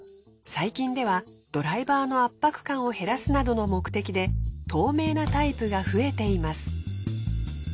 最近ではドライバーの圧迫感を減らすなどの目的で透明なタイプが増えています。